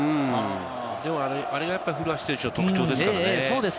あれが古橋選手の特徴ですからね。